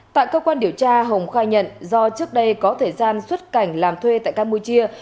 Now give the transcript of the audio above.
tại cơ quan điều tra hồng khai nhận do trước đây có thời gian xuất cảnh làm thuê tại campuchia